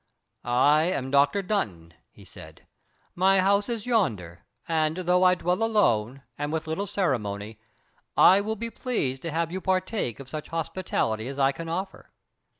"I am Dr. Dunton," he said. "My house is yonder and, though I dwell alone, and with little ceremony, I will be pleased to have you partake of such hospitality as I can offer."